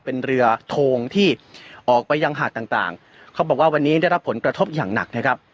เป็นเรือโทงที่ออกไปยังหาดต่างต่างเขาบอกว่าวันนี้ได้รับผลกระทบอย่างหนักนะครับ